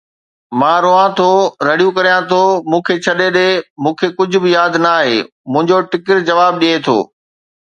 مان روئان ٿو، رڙيون ڪريان ٿو، مون کي ڇڏي ڏي، مون کي ڪجهه به ياد نه آهي، منهنجو ٽِڪر جواب ڏئي ٿو